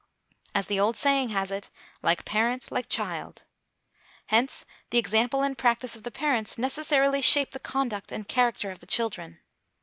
As the old saying has it, "like parent, like child"; hence the example and practice of the parents necessarily shape the conduct and character of the children.